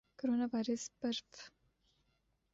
corona virus پر ف